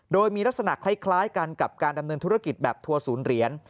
โดยมีลักษณะคล้ายกันกับการดำเนินธุรกิจแบบทัวร์ศูนย์เหรียญ